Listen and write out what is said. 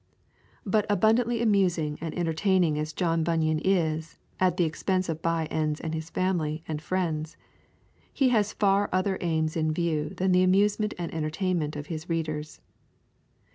But abundantly amusing and entertaining as John Bunyan is at the expense of By ends and his family and friends, he has far other aims in view than the amusement and entertainment of his readers.